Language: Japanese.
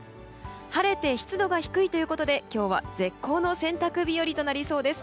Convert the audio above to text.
晴れて湿度が低いということで今日は絶好の洗濯日和となりそうです。